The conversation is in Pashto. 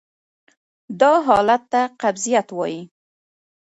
دا حالت ته قبضیت وایې.